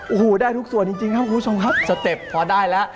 โอ้โหได้ทุกส่วนจริงครับคุณผู้ชมครับสเต็ปพอได้แล้ว